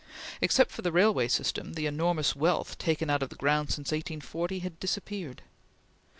Except for the railway system, the enormous wealth taken out of the ground since 1840, had disappeared.